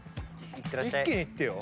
一気にいってよ。